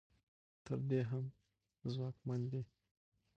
تر دې هم ځواکمن دي.